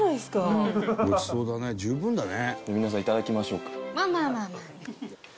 「ごちそうだね十分だね」